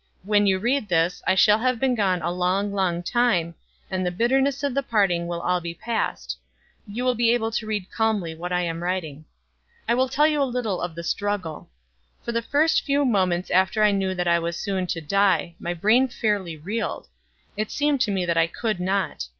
When you read this, I shall have been gone a long, long time, and the bitterness of the parting will all be past; you will be able to read calmly what I am writing. I will tell you a little of the struggle. For the first few moments after I knew that I was soon to die, my brain fairly reeled; It seemed to me that I could not.